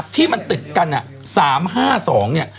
ที่มันติดกัน๓๕๒เนี่ย